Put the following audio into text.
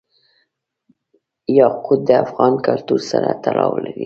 یاقوت د افغان کلتور سره تړاو لري.